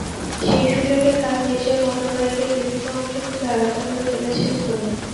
সেই সুযোগে কাল নিজের মোটরবাইকের বিভিন্ন অংশ খুলে আলাদা করে ফেলেছেন ধোনি।